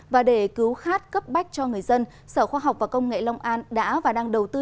và để cứu khát cấp bách cho người dân sở khoa học và công nghệ long an đã và đang đầu tư